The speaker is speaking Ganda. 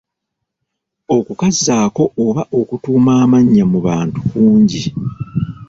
Okukazaako oba okutuuma amannya mu bantu kungi.